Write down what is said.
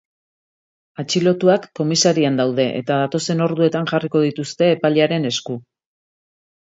Atxilotuak komisarian daude eta datozen orduetan jarriko dituzte epailearen esku.